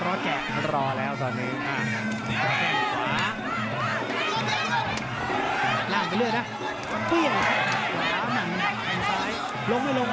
รอแกะรอแล้วตอนนี้อ่าข้างขวาล่างไปเรื่อยแล้วลงไปลงลงไปลง